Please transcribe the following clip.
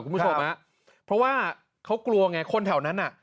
คุณผู้ชมฮะเพราะว่าเขากลัวไงคนแถวนั้นน่ะ